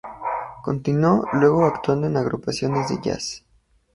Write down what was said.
Continuó luego actuando en agrupaciones de Jazz.